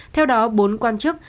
theo đó bốn quan chức